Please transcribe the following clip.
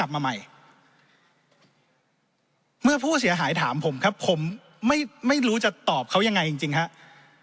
ไม่รู้จะตอบเขายังไงจริงครับ